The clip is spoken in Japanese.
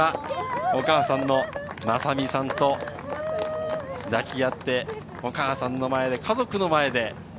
お母さんのまさみさんと抱き合って、お母さんの前で、家族の前で。